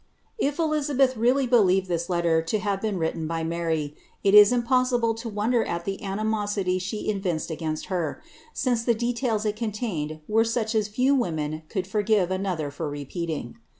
If Elizabeth really believed this letter to have been written by Mary, it is impossible to wonder at the animosity she evinced against her, since the details it contained were such as few women could forgive another for repeating.